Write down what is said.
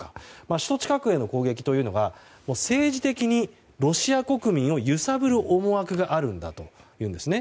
首都近くへの攻撃というのは政治的にロシア国民を揺さぶる思惑があるんだというんですね。